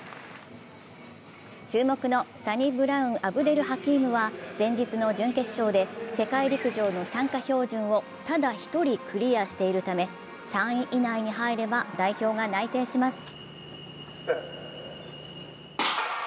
注目のサニブラウン・アブデル・ハキームは前日の準決勝で世界陸上の参加標準をただ１人クリアしているため３位以内に入れば代表が内定します。